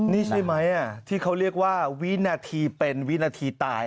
นี่ใช่ไหมที่เขาเรียกว่าวินาทีเป็นวินาทีตาย